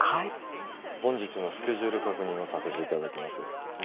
本日のスケジュール確認をさせて頂きます。